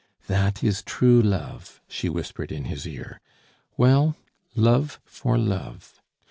"That is true love," she whispered in his ear. "Well, love for love.